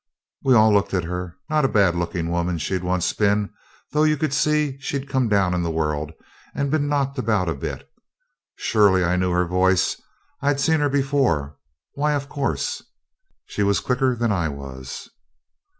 We all looked at her not a bad looking woman she'd been once, though you could see she'd come down in the world and been knocked about a bit. Surely I knew her voice! I'd seen her before why, of course She was quicker than I was.